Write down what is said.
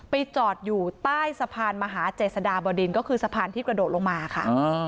จอดอยู่ใต้สะพานมหาเจษฎาบดินก็คือสะพานที่กระโดดลงมาค่ะ